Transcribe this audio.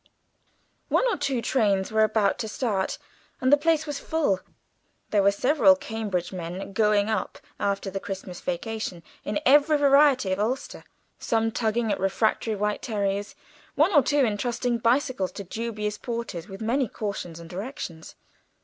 One or two trains were about to start, and the place was full. There were several Cambridge men "going up" after the Christmas vacation, in every variety of ulster; some tugging at refractory white terriers, one or two entrusting bicycles to dubious porters with many cautions and directions.